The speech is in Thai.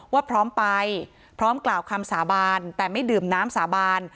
ว่าพร้อมไปพร้อมกล่าวคำสาบานแต่ไม่ดื่มน้ำสาบาน